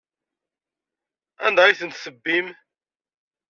Anda ay ten-tebbim?